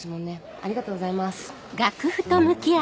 ありがとうございます。